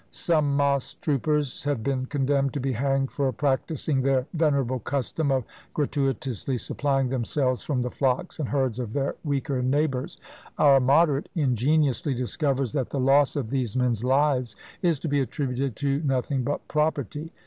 Some moss troopers had been condemned to be hanged for practising their venerable custom of gratuitously supplying themselves from the flocks and herds of their weaker neighbours: our "Moderate" ingeniously discovers that the loss of these men's lives is to be attributed to nothing but property.